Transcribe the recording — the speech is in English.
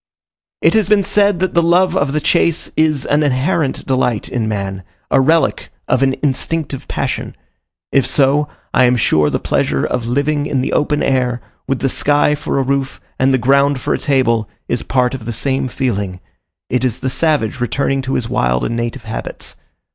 It has been said, that the love of the chase is an inherent delight in man a relic of an instinctive passion. If so, I am sure the pleasure of living in the open air, with the sky for a roof and the ground for a table, is part of the same feeling, it is the savage returning to his wild and native habits.